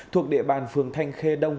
thuộc địa bàn phường thanh khê đông